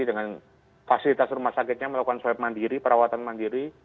dengan fasilitas rumah sakitnya melakukan swab mandiri perawatan mandiri